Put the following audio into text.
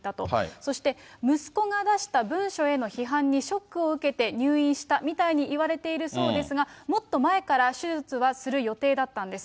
そして息子が出した文書への批判にショックを受けて入院したみたいにいわれているそうですが、もっと前から手術はする予定だったんです。